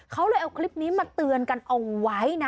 เขาเลยเอาคลิปนี้มาเตือนกันเอาไว้นะ